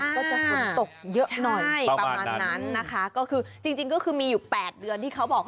ก็จะฝนตกเยอะหน่อยประมาณนั้นนะคะก็คือจริงก็คือมีอยู่๘เดือนที่เขาบอก